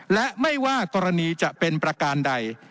และไม่ว่ากรณีจะเป็นประการใด